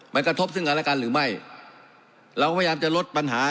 มันกระทบซึ่งกันและกันหรือไม่เราพยายามจะลดปัญหา